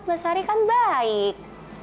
mbak sari kan baik